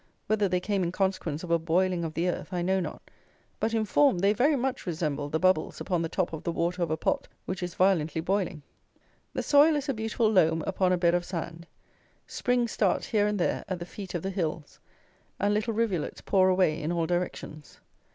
Whether they came in consequence of a boiling of the earth, I know not; but, in form, they very much resemble the bubbles upon the top of the water of a pot which is violently boiling. The soil is a beautiful loam upon a bed of sand. Springs start here and there at the feet of the hills; and little rivulets pour away in all directions.